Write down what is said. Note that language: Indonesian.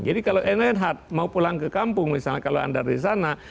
jadi kalau enlenhardt mau pulang ke kampung misalnya kalau anda di sana